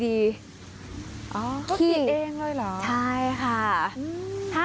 เขาเขียนเองเลยเหรอใช่ค่ะ